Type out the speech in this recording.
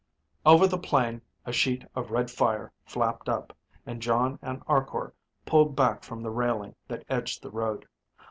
Over the plain, a sheet of red fire flapped up, and Jon and Arkor pulled back from the railing that edged the road.